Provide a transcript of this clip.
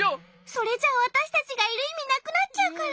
それじゃあわたしたちがいるいみなくなっちゃうから。